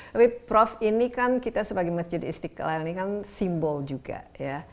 tapi prof ini kan kita sebagai masjid istiqlal ini kan simbol juga ya